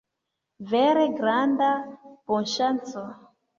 Vere granda bonŝanco.